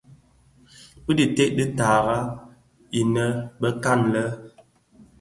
Binted tara byèbi nyoli inë bekan lè.